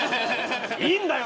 いいんだよ。